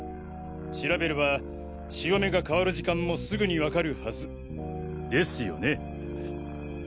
調べれば潮目が変わる時間もすぐにわかるはず。ですよね？